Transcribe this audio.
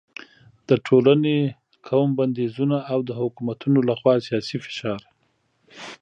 د ټولنې، قوم بندیزونه او د حکومتونو له خوا سیاسي فشار